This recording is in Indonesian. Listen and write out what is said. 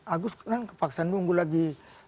agus kan ke paksa nunggu lagi dua ribu dua puluh empat